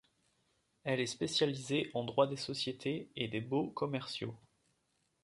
Elle est spécialisée en droit des sociétés et des baux commerciaux.